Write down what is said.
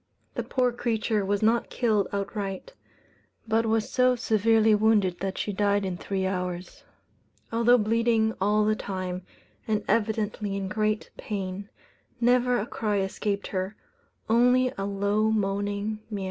The poor creature was not killed outright; but was so severely wounded that she died in three hours. Although bleeding all the time, and evidently in great pain, never a cry escaped her, only a low moaning mew.